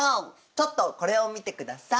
ちょっとこれを見てください。